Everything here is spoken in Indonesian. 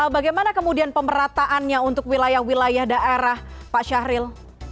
bagaimana kemudian pemerataannya untuk wilayah wilayah daerah pak syahril